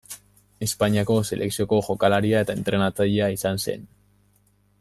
Espainiako selekzioko jokalaria eta entrenatzailea izan zen.